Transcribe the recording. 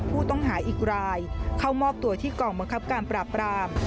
ผู้ต้องหาอีกรายเข้ามอบตัวที่กองบังคับการปราบราม